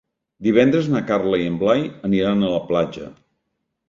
Divendres na Carla i en Blai aniran a la platja.